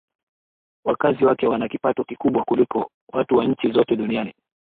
wakazi wake wana kipato kikubwa kuliko watu wa nchi zote duniani